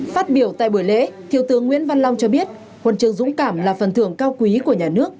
phát biểu tại buổi lễ thiếu tướng nguyễn văn long cho biết huân chương dũng cảm là phần thường cao quý của nhà nước